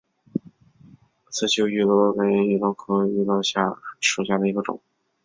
刺绣芋螺为芋螺科芋螺属下的一个种。